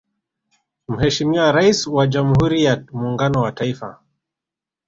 Mheshimiwa Rais wa Jamhuri ya muungano wa Taifa